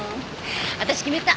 私決めた！